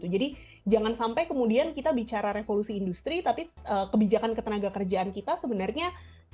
jadi jangan sampai kemudian kita bicara revolusi industri tapi kebijakan ketenaga kerjaan kita sebenarnya